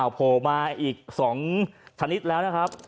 โผล่มาอีก๒ชนิดแล้วนะครับ